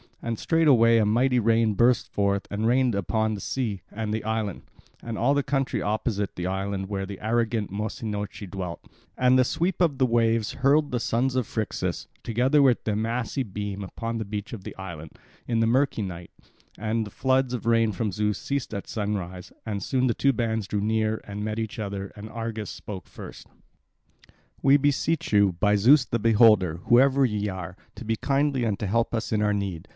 And straightway a mighty rain burst forth, and rained upon the sea and the island, and all the country opposite the island, where the arrogant Mossynoeci dwelt. And the sweep of the waves hurled the sons of Phrixus, together with their massy beam, upon the beach of the island, in the murky night; and the floods of rain from Zeus ceased at sunrise, and soon the two bands drew near and met each other, and Argus spoke first: "We beseech you, by Zeus the Beholder, whoever ye are, to be kindly and to help us in our need.